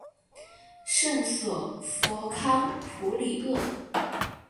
圣索弗康普里厄。